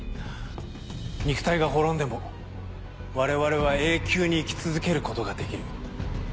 肉体が滅んでも我々は永久に生き続けることができる。